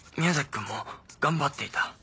君も頑張っていた。